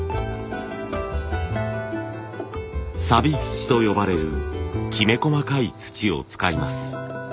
さび土と呼ばれるきめ細かい土を使います。